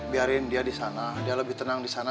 biarin dia disana dia lebih tenang disana